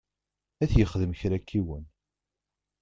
Ad t-yexdem kra n yiwen.